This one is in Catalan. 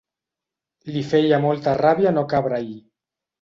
Li feia molta ràbia no cabre-hi.